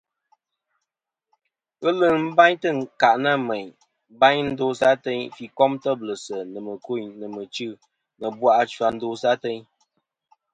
Ghelɨ nɨn bâytɨ̀ ɨnkâʼ nâ mèyn bayn ndosɨ ateyn, fî kom têblɨ̀sɨ̀, nɨ̀ mɨ̀kûyn, nɨ̀ mɨchî, nɨ̀ ɨ̀bwàʼ achfɨ a ndosɨ ateyn.